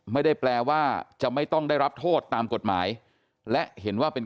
ไม่ได้แปลว่าจะไม่ต้องได้รับโทษตามกฎหมายและเห็นว่าเป็น